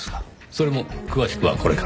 それも詳しくはこれから。